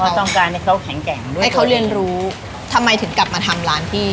ต้องการให้เขาแข็งแกร่งด้วยให้เขาเรียนรู้ทำไมถึงกลับมาทำร้านพี่